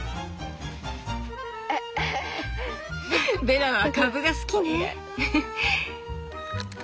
ベラはカブが好きね。